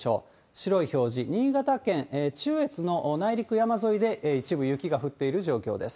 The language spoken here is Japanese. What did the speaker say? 白い表示、新潟県中越の内陸、山沿いで一部雪が振っている状況です。